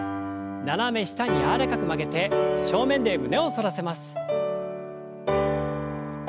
斜め下に柔らかく曲げて正面で胸を反らせます。